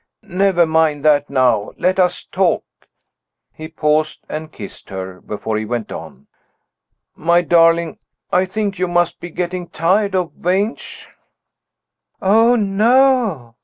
"Never mind that now! Let us talk." He paused, and kissed her, before he went on. "My darling, I think you must be getting tired of Vange?" "Oh, no!